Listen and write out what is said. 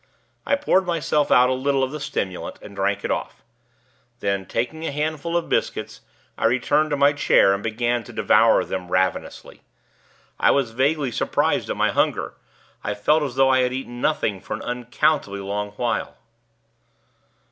I poured myself out a little of the stimulant, and drank it off. Then, taking a handful of biscuits, I returned to my chair, and began to devour them, ravenously. I was vaguely surprised at my hunger. I felt as though I had eaten nothing for an uncountably long while.